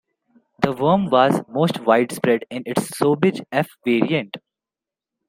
The worm was most widespread in its "Sobig.F" variant.